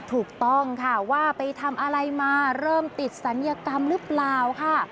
ถูกต้องค่ะว่าไปทำอะไรมาเริ่มติดศัลยกรรมหรือเปล่าค่ะ